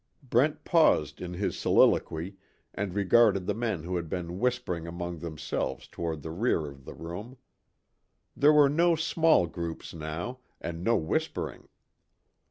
Brent paused in his soliloquy and regarded the men who had been whispering among themselves toward the rear of the room. There were no small groups now, and no whispering.